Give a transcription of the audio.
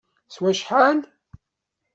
S wacḥal?